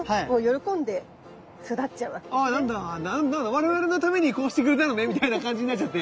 我々のためにこうしてくれたのね」みたいな感じになっちゃって。